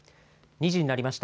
２時になりました。